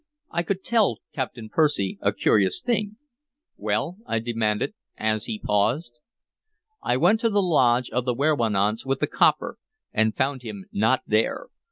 I could tell Captain Percy a curious thing" "Well?" I demanded, as he paused. "I went to the lodge of the werowance with the copper, and found him not there.